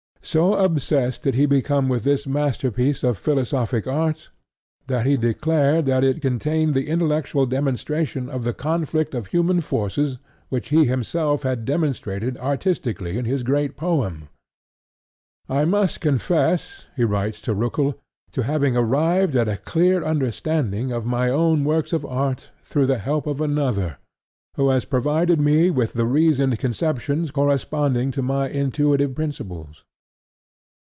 So obsessed did he become with this masterpiece of philosophic art that he declared that it contained the intellectual demonstration of the conflict of human forces which he himself had demonstrated artistically in his great poem. "I must confess," he writes to Roeckel, "to having arrived at a clear understanding of my own works of art through the help of another, who has provided me with the reasoned conceptions corresponding to my intuitive principles."